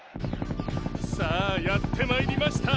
さあやって参りました！